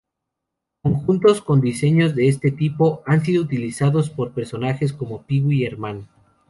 Conjuntos con diseños de este tipo han sido utilizados por personajes como Pee-Wee Herman.